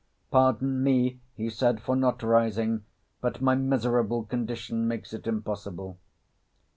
"Pardon me," he said, "for not rising; but my miserable condition makes it impossible."